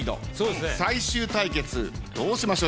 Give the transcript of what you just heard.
最終対決どうしましょう？